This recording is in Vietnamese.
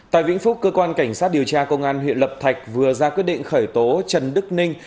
tại vĩnh phúc cơ quan cảnh sát điều tra công an huyện lập thạch vừa ra quyết định khởi tố trần đức ninh